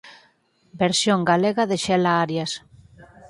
Versión galega de Xela Arias